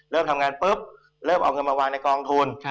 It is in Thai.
เริ่มทำงานปุ๊บเริ่มเอาเงินมาวางในกองทุน